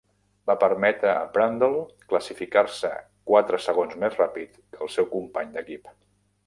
Va permetre a Brundle classificar-se quatre segons més ràpid que el seu company d'equip.